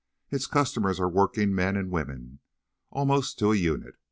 Its customers are working men and women, almost to a unit.